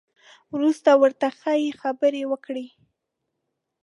وروسته ورته ښې خبرې وکړئ.